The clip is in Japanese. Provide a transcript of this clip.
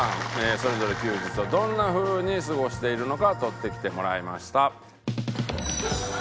それぞれ休日をどんなふうに過ごしているのか撮ってきてもらいました。